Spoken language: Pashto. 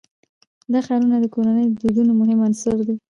دا ښارونه د کورنیو د دودونو مهم عنصر دی.